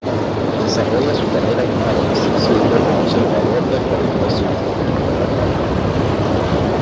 Desarrolla su carrera en Madras, siendo conservador de forestación.